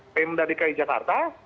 tenda dki jakarta